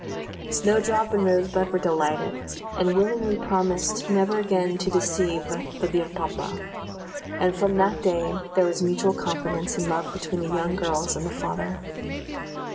Snowdrop and Rosebud were delighted, and willingly promised never again to deceive "the dear papa;" and from that day there was mutual confidence and love between the young girls and the father.